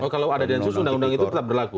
kalau ada densus undang undang itu tetap berlaku